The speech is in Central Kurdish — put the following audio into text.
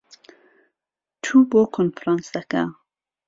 چوو بۆ کۆنفرانسەکە.